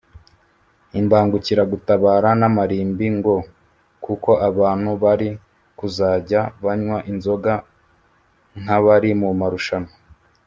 imbangukiragutabara n’amarimbi” ngo kuko abantu bari kuzajya banywa inzoga nk’abari mu marushanwa